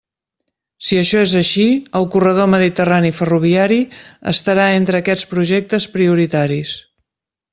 Si això és així, el corredor mediterrani ferroviari estarà entre aquests projectes prioritaris.